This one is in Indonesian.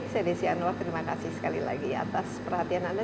saya desi anwar terima kasih sekali lagi atas perhatian anda